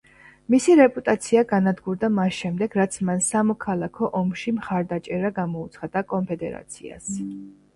მისი რეპუტაცია განადგურდა მას შემდეგ, რაც მან სამოქალაქო ომში მხარდაჭერა გამოუცხადა კონფედერაციას.